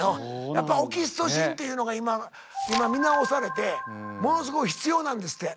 やっぱオキシトシンっていうのが今見直されてものすごい必要なんですって。